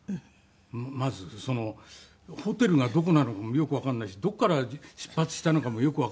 まずそのホテルがどこなのかもよくわからないしどこから出発したのかもよくわからないし。